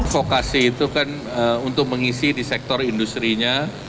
vokasi itu kan untuk mengisi di sektor industri nya